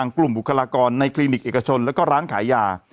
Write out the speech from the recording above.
กลุ่มบุคลากรในคลินิกเอกชนแล้วก็ร้านขายยา